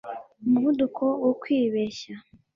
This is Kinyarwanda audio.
Umuvuduko wo kwibeshya